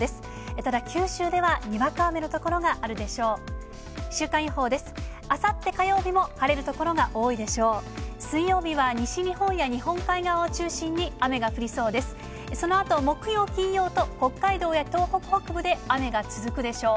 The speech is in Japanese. ただ九州ではにわか雨の所があるでしょう。